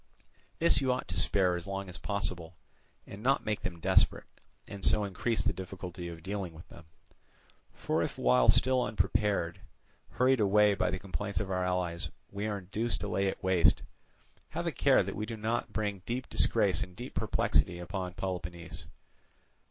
This you ought to spare as long as possible, and not make them desperate, and so increase the difficulty of dealing with them. For if while still unprepared, hurried away by the complaints of our allies, we are induced to lay it waste, have a care that we do not bring deep disgrace and deep perplexity upon Peloponnese.